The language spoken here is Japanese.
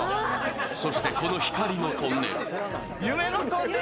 そしてこの光のトンネル。